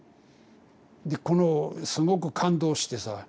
でこのすごく感動してさ。